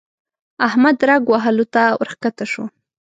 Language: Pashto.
احمد رګ وهلو ته ورکښته شو.